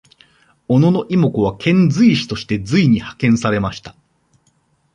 小野妹子は遣隋使として隋に派遣されました。